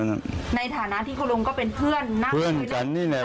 ในฐานะที่คุณลุงตะโกก็เป็นเพื่อน